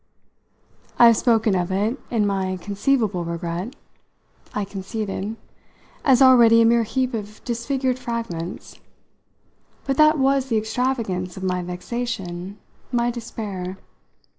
I've spoken of it in my conceivable regret," I conceded, "as already a mere heap of disfigured fragments; but that was the extravagance of my vexation, my despair.